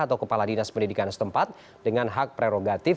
atau kepala dinas pendidikan setempat dengan hak prerogatif